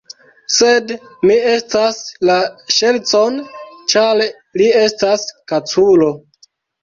Sed mi ŝatas la ŝercon, ĉar li estas kaculo.